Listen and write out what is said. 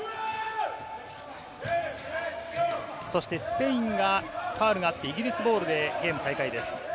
そしてスペインがファウルがあって、イギリスボールでゲーム再開です。